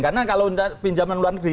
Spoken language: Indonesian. karena kalau pinjaman luar negeri